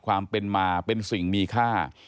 ความเป็นมาเป็นสิ่งมีค่า